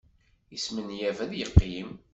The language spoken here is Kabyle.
Yesmenyaf ad yeqqim.